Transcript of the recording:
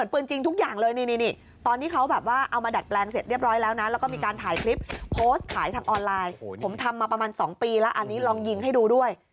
ผมทำมาประมาณ๒ปีแล้วอันนี้ลองยิงให้ดูด้วย